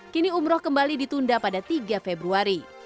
kini umroh kembali ditunda pada tiga februari